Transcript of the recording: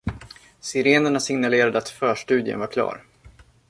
Sirenerna signalerade att förstudien var klar.